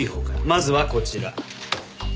まずはこちら。